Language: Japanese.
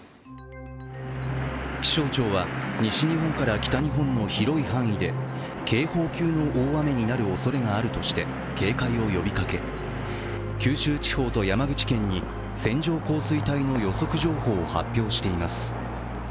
気象庁は西日本から北日本の広い範囲で警報級の大雨になるおそれがあるとして警戒を呼びかけ九州地方と山口県に線状降水帯の予測情報を発表しています。